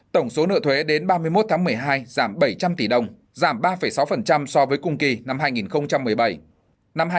tổng số nợ thuế đến ba mươi một tháng một mươi hai giảm bảy trăm linh tỷ đồng giảm ba sáu so với cùng kỳ năm hai nghìn một mươi bảy